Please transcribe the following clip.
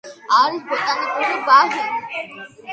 არის ბოტანიკური ბაღი.